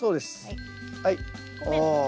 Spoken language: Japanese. はい。